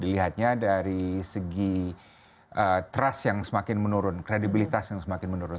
dilihatnya dari segi trust yang semakin menurun kredibilitas yang semakin menurun